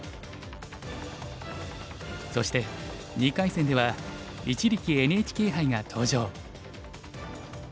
そして２回戦では一力ＮＨＫ杯が登場。